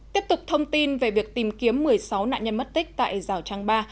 tiếp tục thông tin về việc tìm kiếm một mươi sáu nạn nhân mất tích tại rào trăng ba